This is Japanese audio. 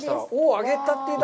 揚げたてだ。